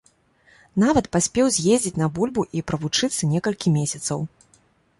Нават паспеў з'ездзіць на бульбу і правучыцца некалькі месяцаў.